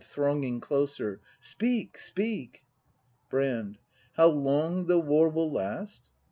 [Thronging closer.] Speak ! Speak ! Brand. How long the war will last